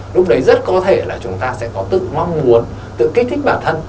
lúc đấy rất có thể là chúng ta sẽ có tự mong muốn tự kích thích bản thân